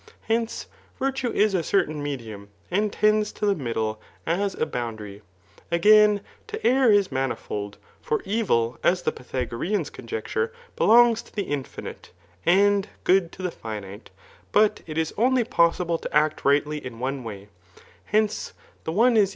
Hence, funujei isa certain medium, and tends to the middle as « Ipoitndary. Agam, lo .err 13 maaifokl ; iar ev3, as tbe P^phagoreaos oonj^ur^ beksi^ to the infinite/ and good ip the finite ; but it is only possible to act rightly IP ode V»y« H^ice, the. one is.